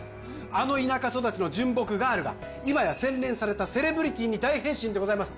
あの田舎育ちの純朴ガールがいまや洗練されたセレブリティーに大変身でございます